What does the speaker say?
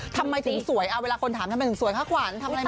ทำไมถึงสวยเอาเวลาคนถามทำไมถึงสวยคะขวัญทำอะไรมา